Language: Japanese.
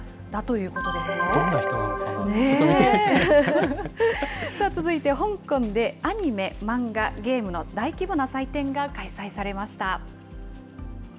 どんな人なのかな、ちょっと続いて香港で、アニメ・マンガ・ゲームの大規模な祭典が開催されました。